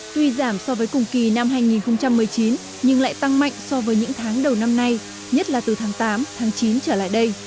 tuy giảm so với cùng kỳ năm hai nghìn một mươi chín nhưng lại tăng mạnh so với những tháng đầu năm nay nhất là từ tháng tám tháng chín trở lại đây